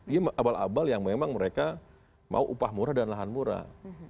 ini abal abal yang memang mereka mau upah murah dan lahan murah